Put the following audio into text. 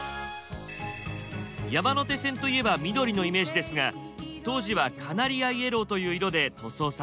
山手線といえば緑のイメージですが当時はカナリア・イエローという色で塗装されていました。